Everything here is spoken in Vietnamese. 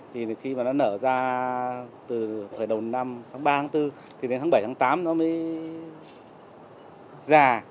thì khi mà nó nở ra từ hồi đầu năm tháng ba tháng bốn thì đến tháng bảy tháng tám nó mới gà